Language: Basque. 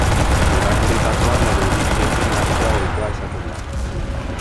Irakurritakoa nire iritziekin nahastea ohikoa izaten da.